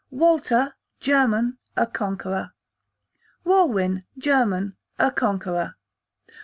Walter, German, a conqueror. Walwin, German, a conqueror.